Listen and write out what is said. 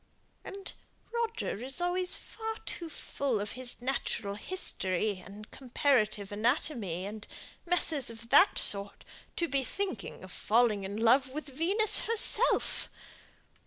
"And Roger is always far too full of his natural history and comparative anatomy, and messes of that sort, to be thinking of falling in love with Venus herself.